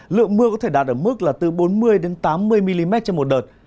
lượng mưa có thể đạt ở mức là từ bốn mươi tám mươi mm trên một đợt